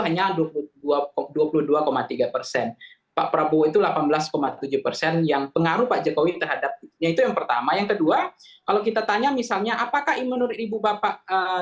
hanya dua puluh dua dua puluh dua tiga persen pak prabowo itu delapan belas tujuh persen yang pengaruh pak jokowi terhadapnya itu yang pertama yang kedua kalau kita tanya misalnya apakah menurut ibu bapak